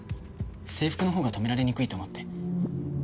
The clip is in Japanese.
制服のほうが止められにくいと思って。